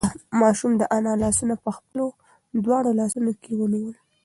ماشوم د انا لاسونه په خپلو دواړو لاسو کې ونیول.